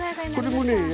これもね